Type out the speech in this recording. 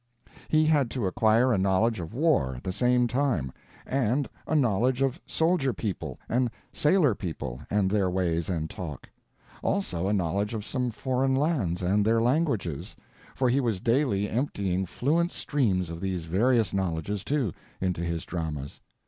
He had to acquire a knowledge of war at the same time; and a knowledge of soldier people and sailor people and their ways and talk; also a knowledge of some foreign lands and their languages: for he was daily emptying fluent streams of these various knowledges, too, into his dramas.